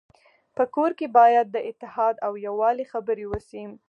په کور کي باید د اتحاد او يووالي خبري وسي.